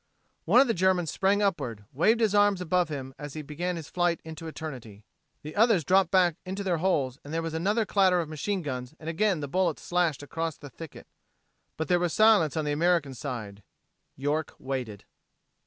One of the Germans sprang upward, waved his arms above him as he began his flight into eternity. The others dropped back into their holes, and there was another clatter of machine guns and again the bullets slashed across the thicket. But there was silence on the American side. York waited.